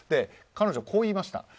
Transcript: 彼女、こう言いました。